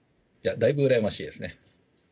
だいぶ羨ましいですね。